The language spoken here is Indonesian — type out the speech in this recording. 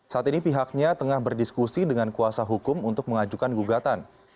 saat ini pihaknya tengah berdiskusi dengan kuasa hukum untuk mengajukan gugatan